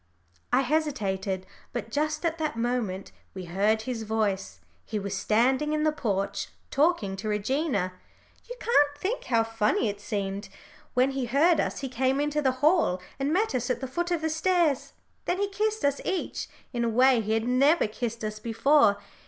I hesitated, but just at that moment we heard his voice. He was standing in the porch talking to Regina. You can't think how funny it seemed. When he heard us he came into the hall and met us at the foot of the stairs. Then he kissed us each, in a way he had never kissed us before.